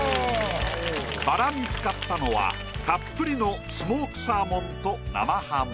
バラに使ったのはたっぷりのスモークサーモンと生ハム。